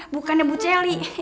bukannya bu celi